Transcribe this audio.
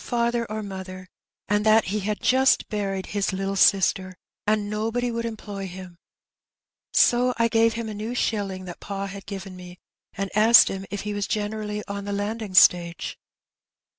father or mother, and that he had jast buried his little sister, and nobody would employ him; so I gave him a new shilling that pa had given me, and asked him if he was generally on the landing stage.